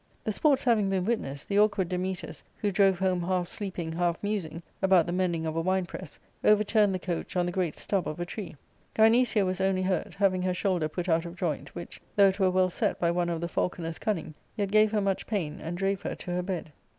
The sports having been witnessed, the awkward Dametas, who drove home half sleeping, half musing about the mending of a wine press, overturned the coach on the great stub of a tree. Gynecia was only hurt,* having her shoulder put out of joint, which, though it were well set by one of the falconers* cunning, yet gave her much pain, and drave her to her bed.